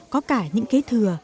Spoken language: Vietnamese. có cả những kế thừa